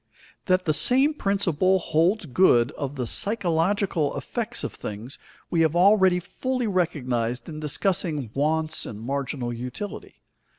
That the same principle holds good of the psychological effects of things, we have already fully recognized in discussing wants and marginal utility.